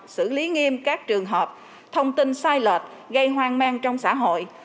xử lý nghiêm các trường hợp thông tin sai lệch gây hoang mang trong xã hội